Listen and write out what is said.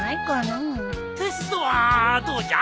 テストはどうじゃ？